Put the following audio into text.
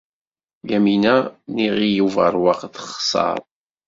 Yamina n Yiɣil Ubeṛwaq texṣer.